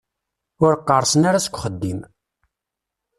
Ur qqerṣen ara seg uxeddim.